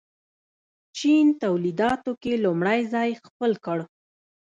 چین تولیداتو کې لومړی ځای خپل کړ.